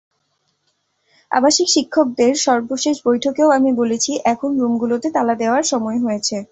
আবাসিক শিক্ষকদের সর্বশেষ বৈঠকেও আমি বলেছি, এখন রুমগুলোতে তালা দেওয়ার সময় হয়েছে।